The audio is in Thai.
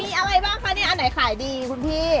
อ๋อใช่มีอะไรบ้างคะอันไหนขายดีคุณพี่